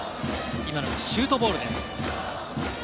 今のはシュートボールです。